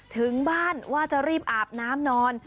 ถึงบ้านว่าจะรีบอาบน้ำนอน